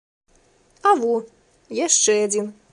А во, яшчэ адзін.